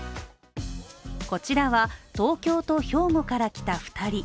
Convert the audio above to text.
こちらは、東京と兵庫から来た２人。